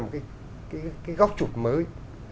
một cái góc chụp mới